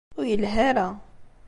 Ur yelhi ara.